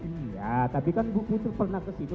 iya tapi kan ibu putri pernah ke situ